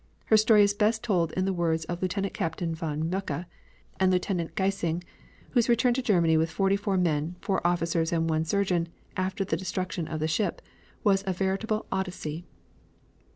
Her story is best told in the words of Lieutenant Captain von Mucke, and Lieutenant Gyssing, whose return to Germany with forty four men, four officers and one surgeon, after the destruction of the ship, was a veritable Odyssey.